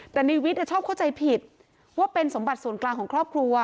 แต่ในวิทย์ชอบเข้าใจผิดว่าเป็นสมบัติส่วนกลางของครอบครัว